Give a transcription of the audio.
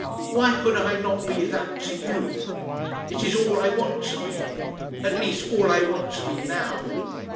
Why could I not be that to you? It is all I want to be. At least all I want to be now.